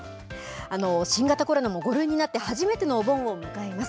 新型コロナも５類になって初めてのお盆を迎えます。